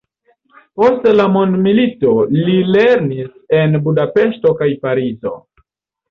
Post la mondomilito li lernis en Budapeŝto kaj Parizo.